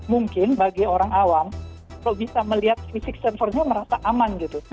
mungkin bagi orang awam kalau bisa melihat fisik servernya merasa aman gitu